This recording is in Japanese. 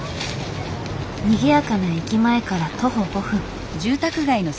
にぎやかな駅前から徒歩５分。